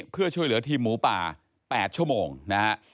เพื่อช่วยเหลือทีมหมูป่า๘ชั่วโมงนะฮะ